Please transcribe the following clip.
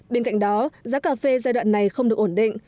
bên cạnh đó giá cà phê giai đoạn này không được ổn định